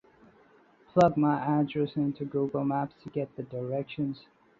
Plug my address into Google Maps to get the directions.